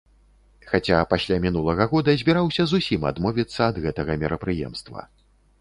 Хаця пасля мінулага года збіраўся зусім адмовіцца ад гэтага мерапрыемства.